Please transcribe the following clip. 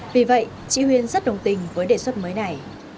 vì vậy chị huyền rất đồng tình với đề xuất mới này